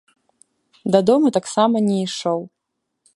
Дадому таксама не ішоў.